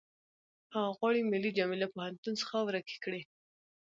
هغه غواړي ملي جامې له پوهنتون څخه ورکې کړي